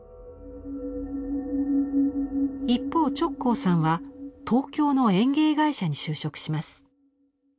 一方直行さんは東京の園芸会社に就職します。